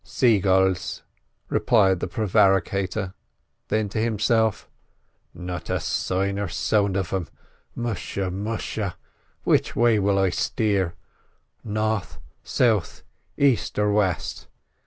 "Say gulls," replied the prevaricator; then to himself: "Not a sight or a sound of them! Musha! musha! which way will I steer—north, south, aist, or west?